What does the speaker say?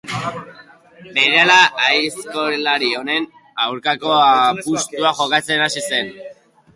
Berehala aizkolari onenen aurkako apustuak jokatzen hasi zen.